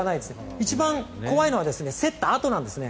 一番怖いのは競ったあとなんですね。